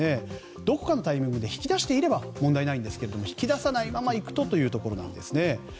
どこかのタイミングで引き出していれば問題ないんですけれども引き出さないまま行くとというところなんですね。